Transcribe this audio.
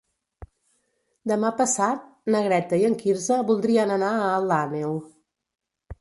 Demà passat na Greta i en Quirze voldrien anar a Alt Àneu.